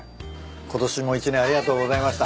ことしも一年ありがとうございました。